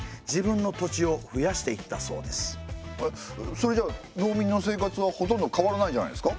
それじゃ農民の生活はほとんど変わらないんじゃないですか？